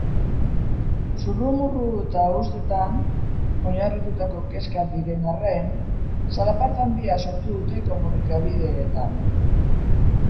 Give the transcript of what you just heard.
Zurrumurru eta usteetan oinarritutako kezkak diren arren, zalaparta handia sortu dute komunikabideetan.